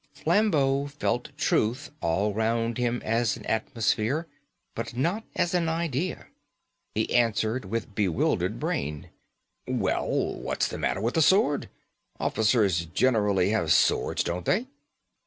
Flambeau felt truth all round him as an atmosphere, but not as an idea. He answered with bewildered brain: "Well, what's the matter with the sword? Officers generally have swords, don't they?"